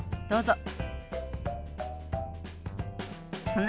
どうぞ。